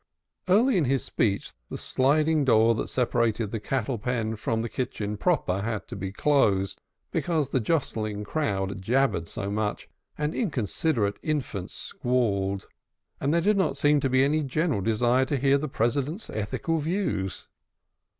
Early in his speech the sliding door that separated the cattle pen from the kitchen proper had to be closed, because the jostling crowd jabbered so much and inconsiderate infants squalled, and there did not seem to be any general desire to hear the President's ethical views.